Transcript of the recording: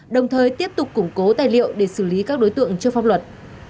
đồng thời tiếp tục củng cố tài liệu để xử lý các đối tượng trước pháp luật